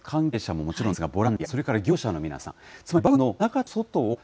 関係者ももちろんですが、ボランティア、それから業者の皆さん。